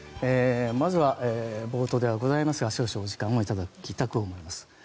まずは冒頭ではございますが少々お時間を頂きたく思います。